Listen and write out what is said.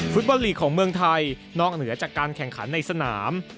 ฟุตบอลลีกของเมืองไทยนอกเหนือจากการแข่งขันในสนาม